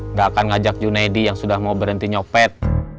nggak akan ngajak junaidi yang sudah mau berhenti nyopet